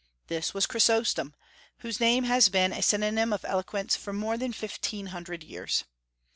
This was Chrysostom, whose name has been a synonym of eloquence for more than fifteen hundred years.